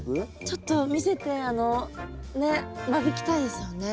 ちょっと見せてねっ間引きたいですよね。